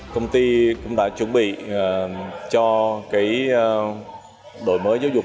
công ty cũng đã chuẩn bị cho đổi mới giáo dục